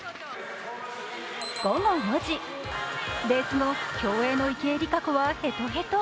午後４時、レース後、競泳の池江璃花子はへとへと。